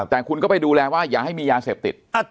แต่คุณก็ไปดูแลว่าอย่าให้มียาเสพติด